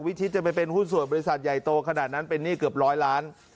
ทิศจะไปเป็นหุ้นส่วนบริษัทใหญ่โตขนาดนั้นเป็นหนี้เกือบร้อยล้าน